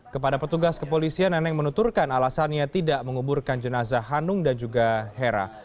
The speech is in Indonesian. kepada petugas kepolisian neneng menuturkan alasannya tidak menguburkan jenazah hanung dan juga hera